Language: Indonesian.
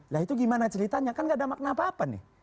lah itu gimana ceritanya kan gak ada makna apa apa nih